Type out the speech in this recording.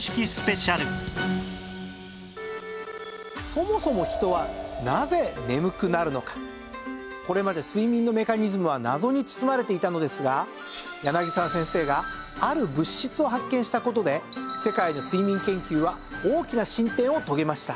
そもそもこれまで睡眠のメカニズムは謎に包まれていたのですが柳沢先生がある物質を発見した事で世界の睡眠研究は大きな進展を遂げました。